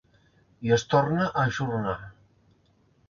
I es torna a ajornar.